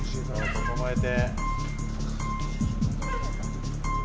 整えて。